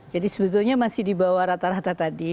jadi sebetulnya masih di bawah rata rata tadi